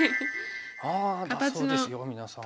あだそうですよ皆さん。